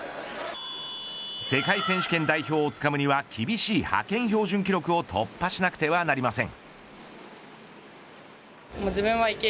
世界選手権代表をつかむには厳しい派遣標準記録を突破しなくてはなりません。